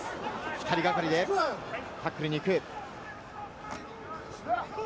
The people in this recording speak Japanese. ２人がかりでタックルに行く。